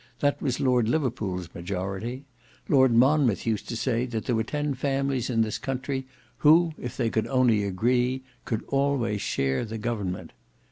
That was Lord Liverpool's majority. Lord Monmouth used to say that there were ten families in this country who, if they could only agree, could always share the government.